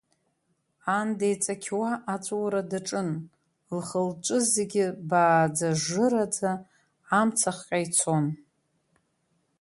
Ан деиҵақьуа аҵәуара даҿын, лхылҿы зегьы бааӡажжыраӡа, амца ахҟьа ицон.